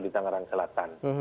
di tangerang selatan